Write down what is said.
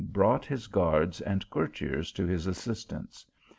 3U1 brought his guards and courtiers to his assistance.